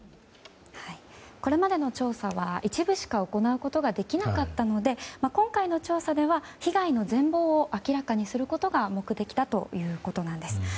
これまでの調査は一部しか行うことができなかったので今回の調査では被害の全貌を明らかにすることが目的だということなんです。